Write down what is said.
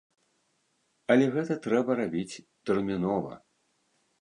Але гэта трэба рабіць тэрмінова.